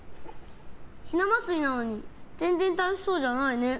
ひな祭りなのに全然楽しそうじゃないね。